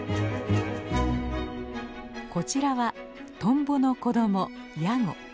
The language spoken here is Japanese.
こちらはトンボの子どもヤゴ。